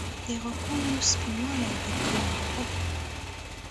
• د غاښونو سپینوالی د ښکلا نښه ده.